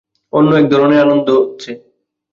অন্য এক ধরনের আনন্দ হচ্ছে।